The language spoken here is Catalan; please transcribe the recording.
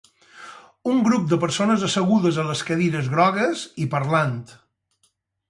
Un grup de persones assegudes a les cadires grogues i parlant.